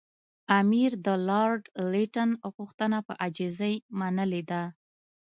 امیر د لارډ لیټن غوښتنه په عاجزۍ منلې ده.